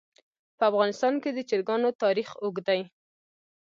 په افغانستان کې د چرګانو تاریخ اوږد دی.